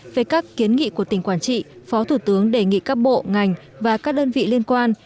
về các kiến nghị của tỉnh quảng trị phó thủ tướng đề nghị các bộ ngành và các đơn vị liên quan